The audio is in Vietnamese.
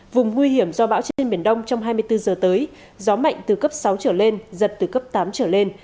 vùng nguy hiểm do bão trên biển đông trong hai mươi bốn giờ tới gió mạnh từ cấp sáu trở lên giật từ cấp tám trở lên